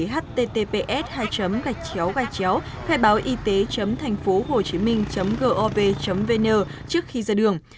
https hai gachiao gachiao khai báo y tế thanhphohochiming gov vn trước khi ra đường